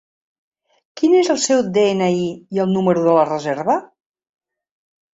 Quin és el seu de-ena-i i el número de la reserva?